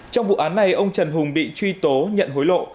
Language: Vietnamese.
trong vụ án này ông trần hùng bị truy tố nhận hối lộ